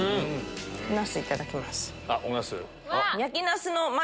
ナスいただきます。